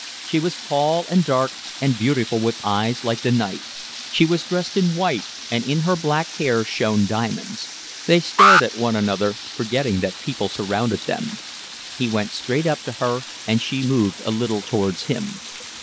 She was tall and dark and beautiful with eyes like the night; she was dressed in white, and in her black hair shone diamonds; they stared at one another, forgetting that people surrounded them. He went straight up to her, and she moved a little towards him.